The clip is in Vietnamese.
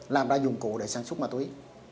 làm ra dụng cụ để sản xuất ma túy